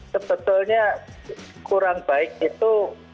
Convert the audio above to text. sebetulnya kurang baik itu